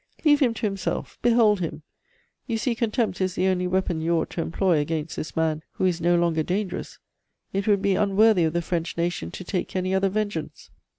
Leave him to himself; behold him: you see contempt is the only weapon you ought to employ against this man, who is no longer dangerous. It would be unworthy of the French nation to take any other vengeance.'